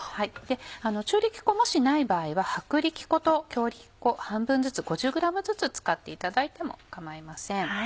中力粉もしない場合は薄力粉と強力粉半分ずつ５０ｇずつ使っていただいても構いません。